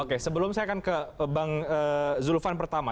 oke sebelum saya akan ke bang zulfan pertama